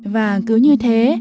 và cứ như thế